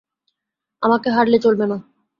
আমাকে হারলে চলবে না।